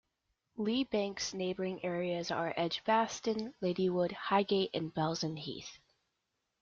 Lee Bank's neighbouring areas are Edgbaston, Ladywood, Highgate and Balsall Heath.